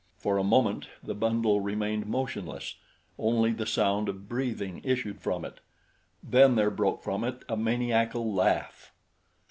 For a moment the bundle remained motionless only the sound of breathing issued from it, then there broke from it a maniacal laugh.